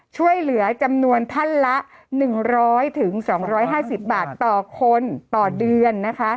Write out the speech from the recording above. ช่วยเหลือจำนวนท่านละ๑๐๐๒๕๐บาทต่อคนต่อเดือนนะคะ